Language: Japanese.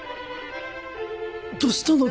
どしたの？